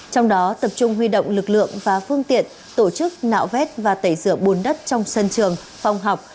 trong đó tập trung huy động lực lượng và phương tiện tổ chức nạo vét và tẩy rửa bùn đất trong sân trường phòng học